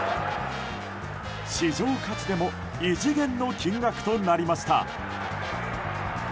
市場価値でも異次元の金額となりました。